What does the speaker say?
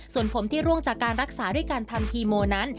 ส่วนผมที่ร่วงจากการรักษาด้วยการทำคีโมนั้น